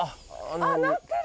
あっなってる！